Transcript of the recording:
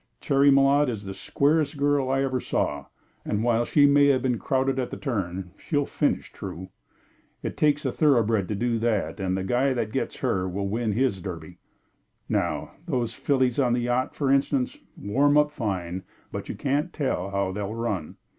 Cherry Malotte is the squarest girl I ever saw, and while she may have been crowded at the turn, she'll finish true. It takes a thoroughbred to do that, and the guy that gets her will win his Derby. Now, those fillies on the yacht, for instance, warm up fine, but you can't tell how they'll run."